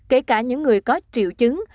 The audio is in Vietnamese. kể cả những người có triệu chứng